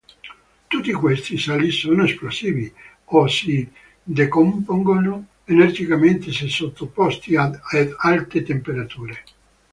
Tutti questi sali sono esplosivi, o si decompongono energicamente se sottoposti ad alte temperature.